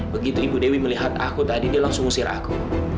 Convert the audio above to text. begitu ibu dewi melihat aku tadi dia langsung ngusir aku